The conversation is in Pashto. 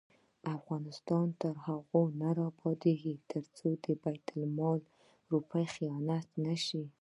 افغانستان تر هغو نه ابادیږي، ترڅو د بیت المال یوه روپۍ خیانت نشي.